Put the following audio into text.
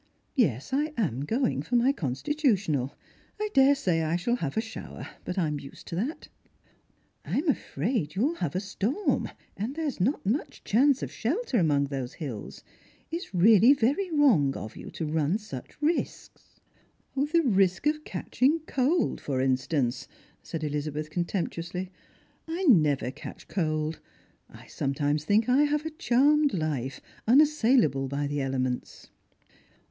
Yes, I am going for my constitutional. I daresay I shall have a ehower, but I'm used to that." " I'm afraid you'll have a storm, and there's not much chance Strangers and Pilgrims. 303 of shelter among those hills. It's really very wrong of you to run such risks." "The risk of catching cold, for instance," said Elizabeth contemptuously. " I never catch cold. I sometimes think I have a charmed life, unassailable by the elements."